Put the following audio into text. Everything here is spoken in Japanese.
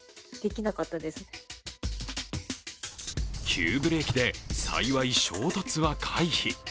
急ブレーキで、幸い衝突は回避。